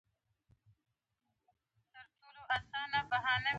غوږونه د دروغو خلاف غبرګون ښيي